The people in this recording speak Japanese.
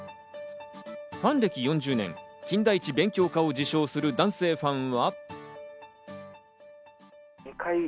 ファン歴４０年、金田一勉強家を自称する男性ファンは。